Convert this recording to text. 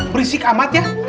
berisik amat ya